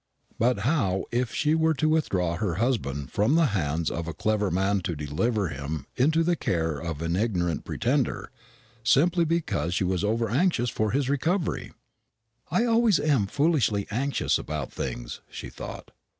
But how if she were to withdraw her husband from the hands of a clever man to deliver him into the care of an ignorant pretender, simply because she was over anxious for his recovery? "I always am foolishly anxious about things," she thought.